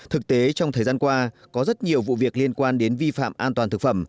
thực tế trong thời gian qua có rất nhiều vụ việc liên quan đến vi phạm an toàn thực phẩm